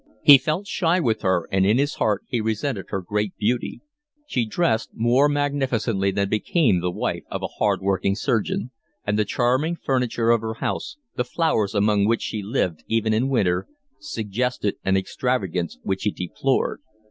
He felt shy with her and in his heart he resented her great beauty: she dressed more magnificently than became the wife of a hardworking surgeon; and the charming furniture of her house, the flowers among which she lived even in winter, suggested an extravagance which he deplored.